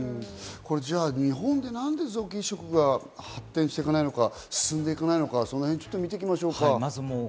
日本で何で臓器移植が発展していかないのか、進んでいかないのか見ていきましょう。